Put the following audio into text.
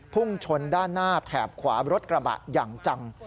พุ่งชนด้านหน้าแถบขวารถกระบะอย่างจัง